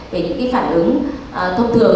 về những cái phản ứng thông thường